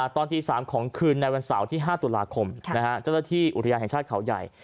ตอนตี๓ของคืนในวันสาวที่๕ตุลาคมจราธิอุติยานแห่งชาติขาวใหญ่